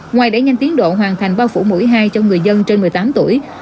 ngoài đẩy nhanh tiến độ hoàn thành bao phủ mũi hai cho người dân trên một mươi tám tuổi